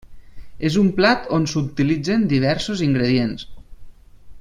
És un plat on s'utilitzen diversos ingredients.